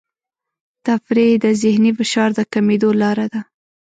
تفریح د ذهني فشار د کمېدو لاره ده.